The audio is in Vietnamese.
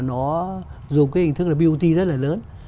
nó dùng cái hình thức là bot rất là lớn